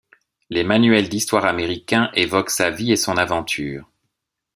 Les manuels d’histoire américains évoquent sa vie et son aventure.